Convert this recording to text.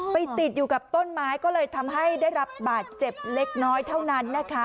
ติดอยู่กับต้นไม้ก็เลยทำให้ได้รับบาดเจ็บเล็กน้อยเท่านั้นนะคะ